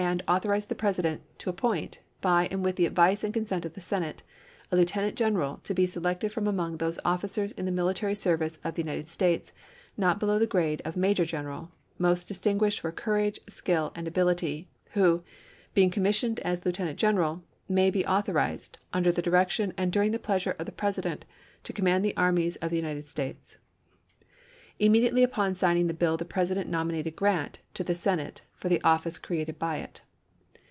authorized the President " to appoint, by and with the advice and consent of the Senate, a lieutenant general, to be selected from among those officers in the military service of the United States not below the grade of major general, most distin guished for courage, skill, and ability, who, being commissioned as lieutenant general, may be au thorized, under the direction and during the pleas ure of the President, to command the armies of ^'^St^,"' the United States." Immediately upon signing the isei, p. ih. bill the President nominated Grant to the Senate for the office created by it.